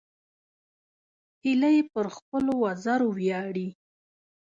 هیلۍ پر خپلو وزرو ویاړي